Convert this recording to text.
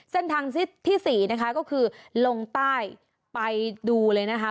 เส้นทางที่๔นะคะก็คือลงใต้ไปดูเลยนะคะ